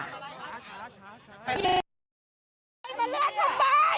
มันยัดเหย็ดตัว